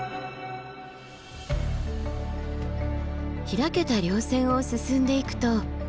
開けた稜線を進んでいくと。